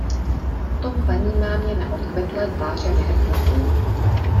Potom panímámě na odkvetlé tváře vyhrkly slzy.